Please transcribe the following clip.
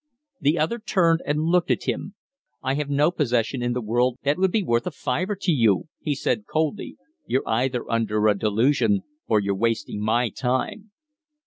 The other turned and looked at him. "I have no possession in the world that would be worth a fiver to you," he said, coldly. "You're either under a delusion or you're wasting my time."